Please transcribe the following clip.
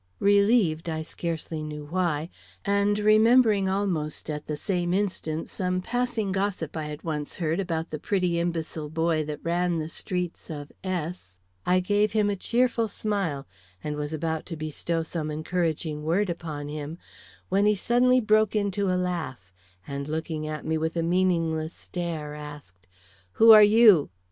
Relieved, I scarcely knew why, and remembering almost at the same instant some passing gossip I had once heard about the pretty imbecile boy that ran the streets of S , I gave him a cheerful smile, and was about to bestow some encouraging word upon him, when he suddenly broke into a laugh, and looking at me with a meaningless stare, asked: "Who are you?"